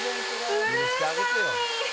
うるさい。